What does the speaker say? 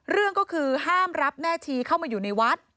เรื่องก็คือห้ามรับแม่ชีเข้ามาอยู่ในวัด